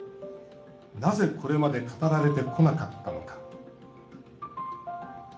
なぜ、これまで語られてこなかったのか。